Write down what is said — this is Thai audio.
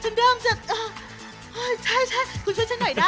ฉันเริ่มจะเออใช่คุณช่วยฉันหน่อยได้มั้ยคะ